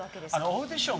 オーディション